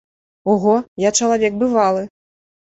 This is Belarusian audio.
Ого, я чалавек бывалы.